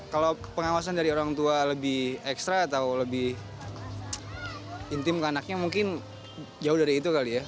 kalau pengawasan dari orang tua lebih ekstra atau lebih intim ke anaknya mungkin jauh dari itu kali ya